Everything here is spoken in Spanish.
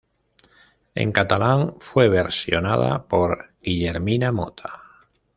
En catalán fue versionada por Guillermina Motta.